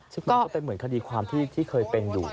ซึ่งมันก็เป็นเหมือนคดีความที่เคยเป็นอยู่